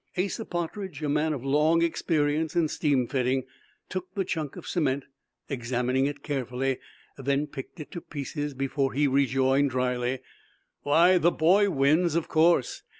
Asa Partridge, a man of long experience in steam fitting, took the chunk of cement, examining it carefully, then picked it to pieces before he rejoined dryly: "Why, the boy wins, of course.